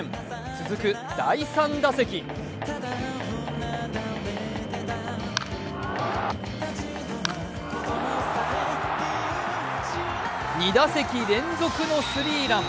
続く第３打席２打席連続のスリーラン。